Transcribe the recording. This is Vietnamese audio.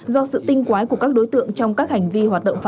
do sự tinh quái của các đối tượng trong các hành vi